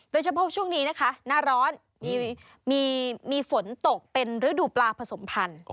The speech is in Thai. โดยเฉพาะช่วงนี้นะคะหน้าร้อนมีฝนตกเป็นฤดูปลาผสมพันธุ์